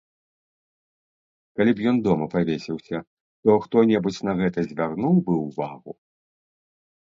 Калі б ён дома павесіўся, то хто-небудзь на гэта звярнуў бы ўвагу?